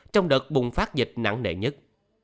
trong đợt bùng phát dịch nặng nệ nhất